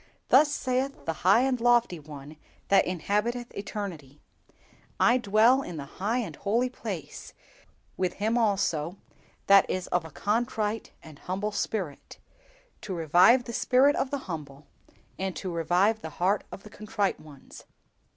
"_Thus saith the high and lofty One that inhabiteth eternity; I dwell in the high and holy place, with him also that is of a contrite and humble spirit, to revive the spirit of the humble, and to revive the heart of the contrite ones.